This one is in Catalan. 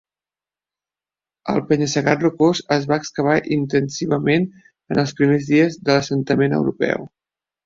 El penya-segat rocós es va excavar intensivament en els primers dies de l"assentament europeu.